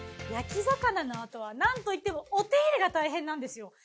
焼き魚のあとはなんといってもお手入れが大変なんですよ。